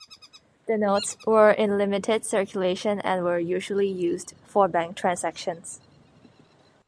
The notes were in limited circulation and were usually used for bank transactions.